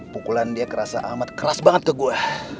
pukulan dia kerasa amat keras banget ke gue